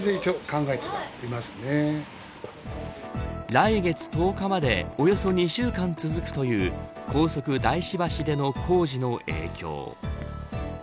来月１０日までおよそ２週間続くという高速大師橋での工事の影響。